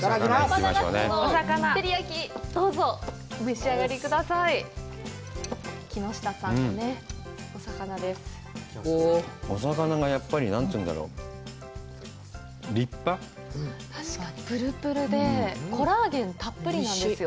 マナガツオの照り焼きどうぞお召し上がりください木下さんのお魚ですお魚がやっぱり何ていうんだろう立派ぷるぷるでコラーゲンたっぷりなんですよ